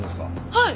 はい。